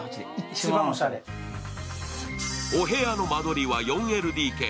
お部屋の間取りは４ＬＤＫ。